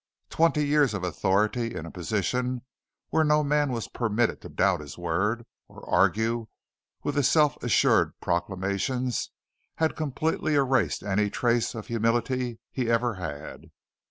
Twenty years of authority in a position where no man was permitted to doubt his word or argue with his self assured proclamations had completely erased any trace of humility he ever had.